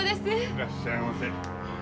いらっしゃいませ。